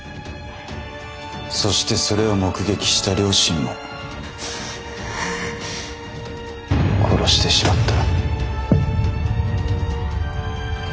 そしてそれを目撃した両親も殺してしまった。